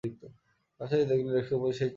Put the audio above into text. কাছে এসে দেখলে, ডেস্কের উপর সেই চিঠি।